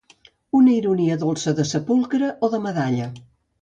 Una ironia dolça de sepulcre o de medalla.